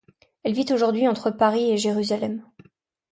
Elle vit aujourd'hui entre Paris et Jérusalem.